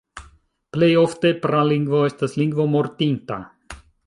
Plej ofte pralingvo estas lingvo mortinta.